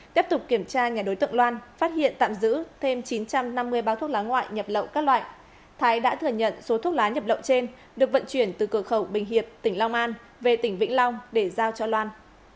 tiếp tục kiểm tra nhà đối tượng loan phát hiện tạm giữ thêm chín trăm năm mươi bao thuốc lá ngoại nhập lậu các loại thái đã thừa nhận số thuốc lá nhập lậu trên được vận chuyển từ cửa khẩu bình hiệp tỉnh long an về tỉnh vĩnh long để giao cho loan